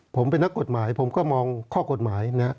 ผมเป็นนักกฎหมายผมก็มองข้อกฎหมายนะ